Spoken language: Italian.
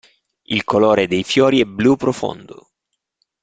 Il colore dei fiori è blu profondo.